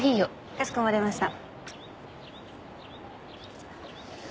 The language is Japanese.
かしこまりました。